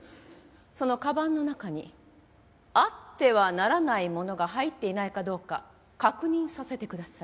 そのカバンの中にあってはならないものが入っていないかどうか確認させてください。